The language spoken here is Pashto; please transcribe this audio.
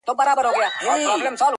چي د چا په سر كي سترگي د ليدو وي -